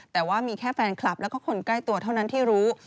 แต่ว่ามีแค่แฟนคลับแล้วก็คนใกล้ตัวเท่านั้นที่รู้